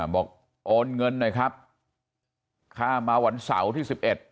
บอกโอนเงินหน่อยครับข้ามมาวันเสาร์ที่๑๑